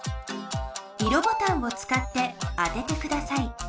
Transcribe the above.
色ボタンを使って当ててください。